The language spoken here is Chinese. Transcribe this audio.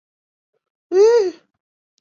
越狱者为陈聪聪和孙星辰。